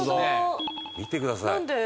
見てください。